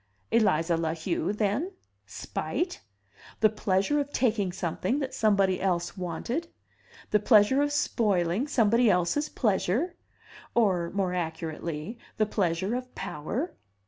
Eliza La Heu, then? Spite? The pleasure of taking something that somebody else wanted? The pleasure of spoiling somebody else's pleasure? Or, more accurately, the pleasure of power?